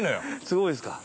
すごいですか。